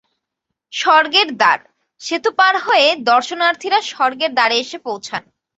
স্বর্গের দ্বার: সেতু পার হয়ে দর্শনার্থীরা স্বর্গের দ্বারে এসে পৌঁছান।